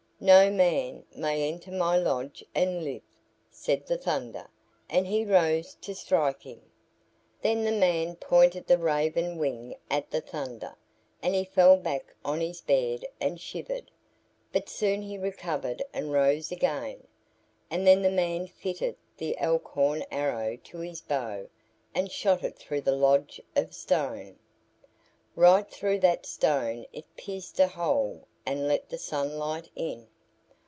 "No man may enter my lodge and live," said the Thunder, and he rose to strike him. Then the man pointed the raven wing at the Thunder, and he fell back on his bed and shivered; but soon he recovered and rose again, and then the man fitted the elk horn arrow to his bow and shot it through the lodge of stone. Right through that stone it pierced a hole and let the sunlight in.